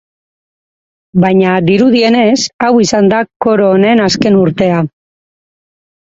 Baina, dirudienez, hau izan da koro honen azken urtea.